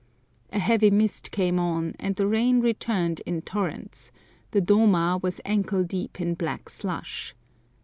A heavy mist came on, and the rain returned in torrents; the doma was ankle deep in black slush.